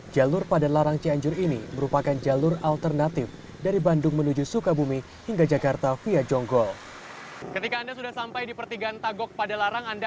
jalur padalarang cianjur ini merupakan jalur alternatif dari bandung menuju sukabumi hingga jakarta via jonggol